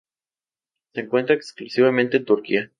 Se encuentra exclusivamente en Turquía.